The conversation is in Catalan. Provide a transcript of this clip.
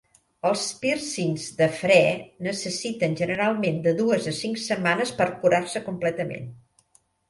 Els pírcings de fre necessiten generalment de dues a cinc setmanes per curar-se completament.